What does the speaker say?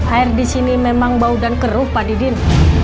air disini memang bau dan keruh pak didin